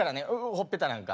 ほっぺたなんか。